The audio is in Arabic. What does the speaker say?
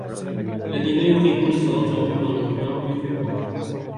الذين يقيمون الصلاة ومما رزقناهم ينفقون